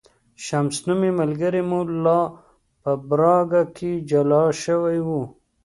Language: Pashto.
شمس نومی ملګری مو لا په پراګ کې جلا شوی و.